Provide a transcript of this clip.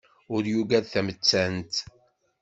Ur yugad tamettant.